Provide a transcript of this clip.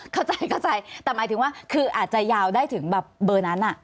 เข้าใจเข้าใจแต่หมายถึงว่าคืออาจจะยาวได้ถึงแบบเบอร์นั้น